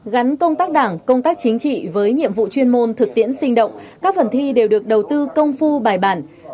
gắn công tác đảng công tác chính trị với nhiệm vụ chuyên môn thực tiễn sinh động các phần thi đều được đầu tư công phu bài bản